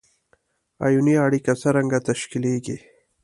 آیوني اړیکه څرنګه تشکیلیږي؟